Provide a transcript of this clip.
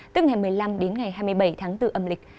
tức ngày một mươi năm đến ngày hai mươi bảy tháng bốn âm lịch